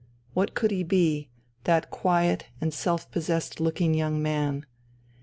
What could he be, that quiet and self possessed looking young man?